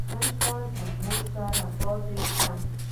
نن شپه زموږ سره پاته سئ.